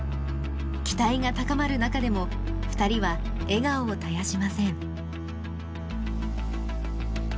期待が高まる中でも２人は笑顔を絶やしません。